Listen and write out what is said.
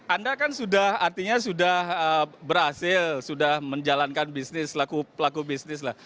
anda kan sudah artinya sudah berhasil sudah menjalankan bisnis pelaku bisnis lah